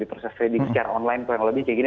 di proses reading secara online ke yang lebih kayak gini